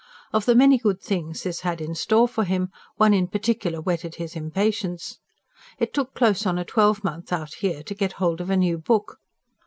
Of the many good things this had in store for him, one in particular whetted his impatience. It took close on a twelvemonth out here to get hold of a new book.